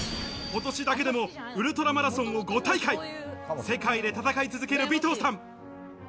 今年だけでもウルトラマラソンを５大会、世界で戦い続ける尾藤さん。